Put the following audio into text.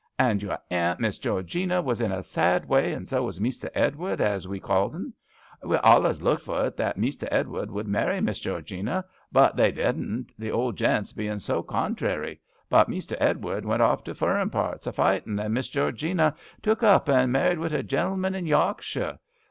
And your Aunt Miss Georgina was in a sad way, and zo was Mester Edward, as we called 'un. We alius looked for it that Mester Edward should marry Miss Georgina, but they dedn't, the old gents bein' zo contrairy, but Mester Edward went oflf to furrin parts, a fightin', and Miss Georgina took up and married [56 GRANNY LOVELOCK AT HOMB. wi' a gentleman in Yarkshire.